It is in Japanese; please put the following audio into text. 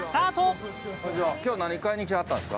今日何買いに来はったんですか？